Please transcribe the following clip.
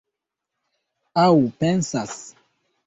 Aŭ pensas.